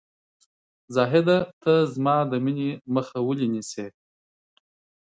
زاهده ! ته زما د مینې مخه ولې نیسې ؟